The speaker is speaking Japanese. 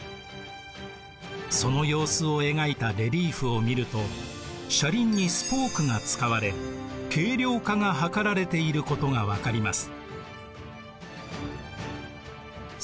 その様子を描いたレリーフを見ると車輪にスポークが使われ軽量化が図られていることが分かります。